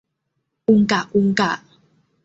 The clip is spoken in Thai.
อุงกะ อุงกะ